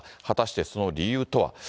果たしてその理由とは。